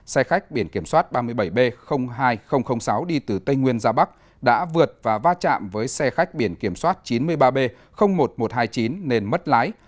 xe khách biển kiểm soát ba mươi bảy b hai sáu đi từ tây nguyên ra bắc đã vượt và va chạm với xe khách biển kiểm soát chín mươi ba b một nghìn một trăm hai mươi chín nên mất lái